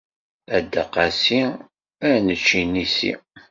A Dda Qasi ad nečč inisi.